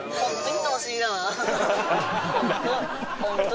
ホント。